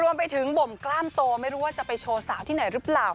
มันบ่มกล้ามโตไม่รู้ว่าจะไปโชว์สาวที่ไหนรึเปล่า